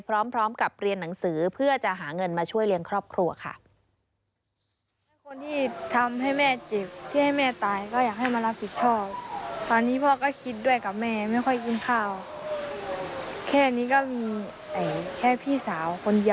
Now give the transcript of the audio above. พร้อมกับเรียนหนังสือเพื่อจะหาเงินมาช่วยเลี้ยงครอบครัวค่ะ